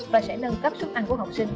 và sẽ nâng cấp sức ăn của học sinh